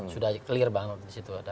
sudah clear banget disitu